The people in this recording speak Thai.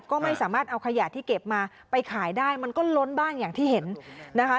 ก็ไม่สามารถเอาขยะที่เก็บมาไปขายได้มันก็ล้นบ้างอย่างที่เห็นนะคะ